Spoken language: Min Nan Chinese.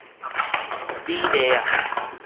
美麗啊